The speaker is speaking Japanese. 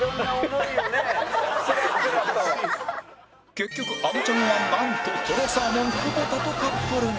結局あのちゃんはなんととろサーモン久保田とカップルに